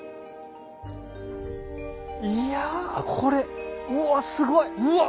いやこれうわすごい！うわ！